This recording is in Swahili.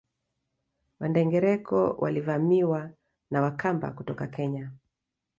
Wandengereko walivamiwa na Wakamba kutoka Kenya